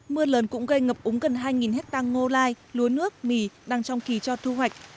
mưa lớn cũng gây ngập úng gần hai hectare ngô lai lúa nước mì đang trong kỳ cho thu hoạch